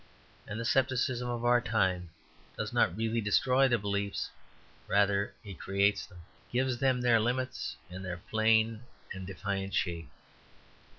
And the scepticism of our time does not really destroy the beliefs, rather it creates them; gives them their limits and their plain and defiant shape.